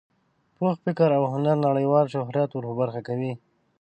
پوخ فکر او هنر نړیوال شهرت ور په برخه کوي.